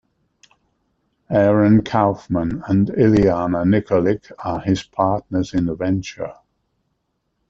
Aaron Kaufman and Iliana Nikolic are his partners in the venture.